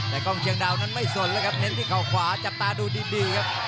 แต่กองเชียงดาวน์นั้นไม่สนแล้วครับเหน็จที่เขาขวาจับตาดูดินดิ